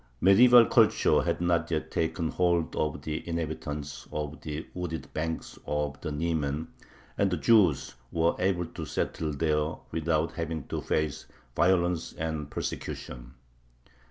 Medieval culture had not yet taken hold of the inhabitants of the wooded banks of the Niemen, and the Jews were able to settle there without having to face violence and persecution.